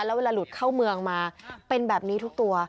แล้วเวลาหลุดเข้าเมืองมาเป็นแบบนี้ทุกตัว